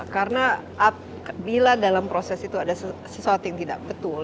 karena bila dalam proses itu ada sesuatu yang tidak betul